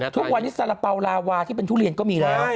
ทุกวันนี้สาระเป๋าลาวาที่เป็นทุเรียนก็มีแล้ว